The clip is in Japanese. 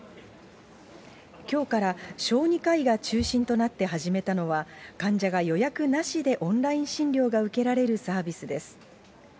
きょうから、小児科医が中心となって始めたのは、患者が予約なしでオンライン診療が受けられるサービスです。